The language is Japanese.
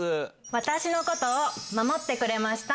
私のことを守ってくれました。